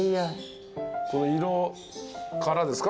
この色からですか？